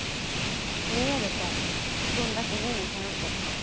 見えるとどんだけ目に頼ってるかが。